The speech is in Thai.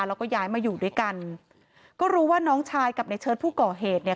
แล้วก็ย้ายมาอยู่ด้วยกันก็รู้ว่าน้องชายกับในเชิดผู้ก่อเหตุเนี่ย